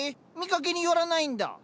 見かけによらないんだ。